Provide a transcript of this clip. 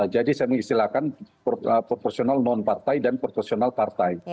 jadi saya mengistilahkan proportional non partai dan proportional partai